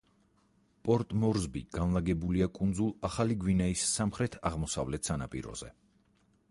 პორტ-მორზბი განლაგებულია კუნძულ ახალი გვინეის სამხრეთ-აღმოსავლეთ სანაპიროზე.